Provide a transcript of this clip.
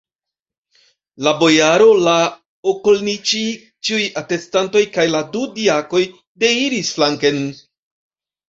La bojaro, la okolniĉij, ĉiuj atestantoj kaj la du diakoj deiris flanken.